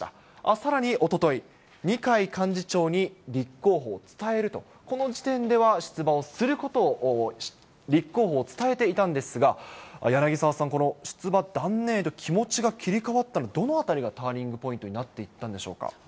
さらにおととい、二階幹事長に立候補を伝えると、この時点では出馬をすることを、立候補を伝えていたんですが、柳沢さん、この出馬断念へと気持ちが切り替わったのはどのあたりがターニングポイントになっていったんでしょうか。